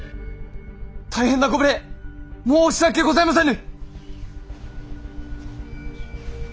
大変なご無礼申し訳ございませぬ！